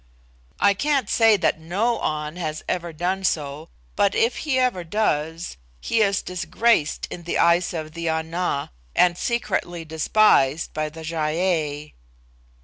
"I can't say that no An has ever done so, but if he ever does, he is disgraced in the eyes of the Ana, and secretly despised by the Gy ei.